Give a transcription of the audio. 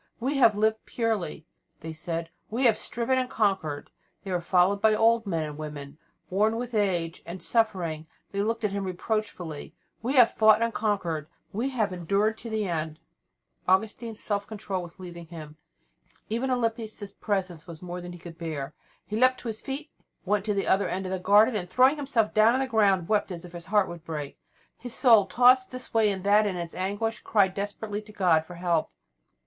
"We have lived purely," they said, "we have striven and conquered." They were followed by old men and women, worn with age and suffering. They looked at him reproachfully. "We have fought and conquered," they said, "we have endured unto the end." Augustine's self control was leaving him; even Alypius' presence was more than he could bear. He leapt to his feet, went to the other end of the garden, and, throwing himself down on the ground, wept as if his heart would break. His soul, tossed this way and that in its anguish, cried desperately to God for help.